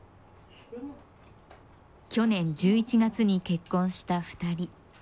去年１１月に結婚した２人。